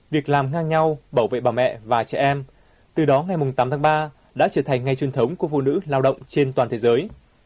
việc làm ngang nhau bảo vệ bà mẹ và trẻ em từ đó ngày tám tháng ba đã trở thành ngày truyền thống của phụ nữ lao động trên toàn thế giới